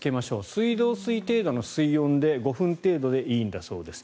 水道水程度の水温で５分程度でいいんだそうです。